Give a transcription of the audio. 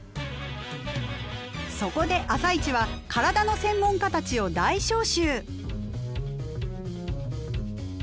そこで「あさイチ」は体の専門家たちを大招集！